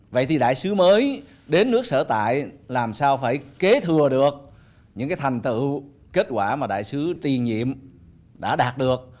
vậy thì đại sứ mới đến nước sở tại làm sao phải kế thừa được những thành tựu kết quả mà đại sứ tiên nhiệm đã đạt được